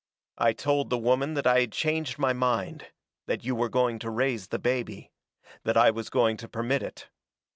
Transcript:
I told the woman that I had changed my mind that you were going to raise the baby that I was going to permit it.